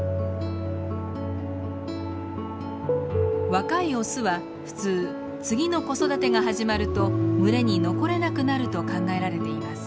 若いオスは普通次の子育てが始まると群れに残れなくなると考えられています。